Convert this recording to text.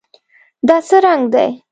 دا څه رنګ دی؟